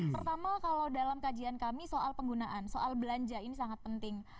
pertama kalau dalam kajian kami soal penggunaan soal belanja ini sangat penting